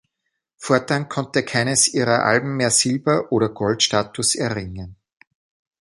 Fortan konnte keines ihrer Alben mehr Silber- oder Gold-Status erringen.